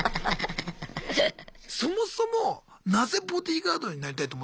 そもそもなぜボディーガードになりたいと思ったんすか？